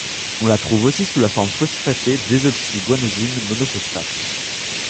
On la trouve aussi sous la forme phosphatée désoxyguanosine monophosphate.